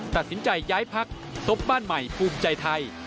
ตัดสินใจย้ายพักซบบ้านใหม่ภูมิใจไทย